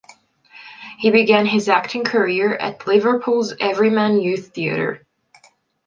He began his acting career at Liverpool's Everyman Youth Theatre.